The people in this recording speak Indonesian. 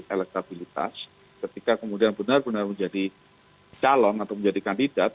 elektabilitas ketika kemudian benar benar menjadi calon atau menjadi kandidat